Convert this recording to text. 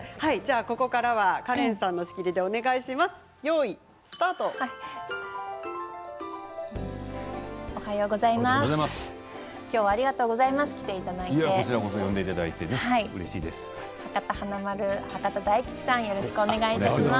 ここからはカレンさんの仕切りでお願いします。